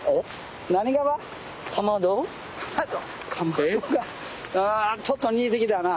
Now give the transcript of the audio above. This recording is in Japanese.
うわちょっと似てきたな。